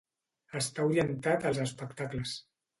Està orientat als espectacles.